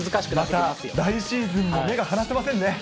また来シーズンも目が離せませんね。